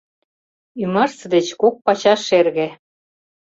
Ӱмашсе деч кок пачаш шерге.